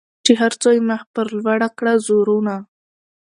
چي هر څو یې مخ پر لوړه کړه زورونه